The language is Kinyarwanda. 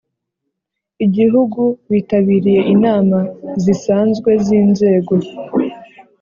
Igihugu bitabiriye inama zisanzwe z inzego